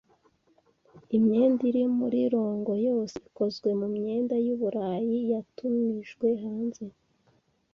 Imyenda iri murirongo yose ikozwe mumyenda yuburayi yatumijwe hanze.